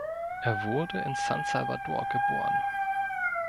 Er wurde in San Salvador geboren.